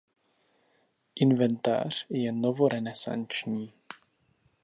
Inventář je novorenesanční.